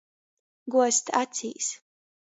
Guozt acīs.